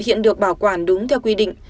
hiện được bảo quản đúng theo quy định